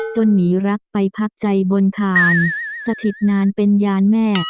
หนีรักไปพักใจบนคานสถิตนานเป็นยานแม่